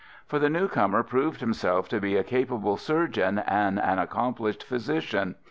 For the new comer proved himself to be a capable surgeon and an accomplished physician.